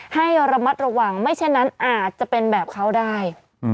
ให้ระมัดระวังไม่เช่นนั้นอาจจะเป็นแบบเขาได้